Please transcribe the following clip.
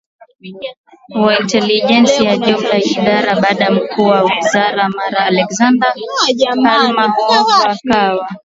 wa intelejensi ya jumla Idara Baada mkuu wa wizara mara Alexander Pamler Hoover akawa